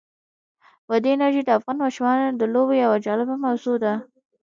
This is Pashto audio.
بادي انرژي د افغان ماشومانو د لوبو یوه جالبه موضوع ده.